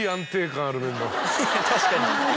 確かに！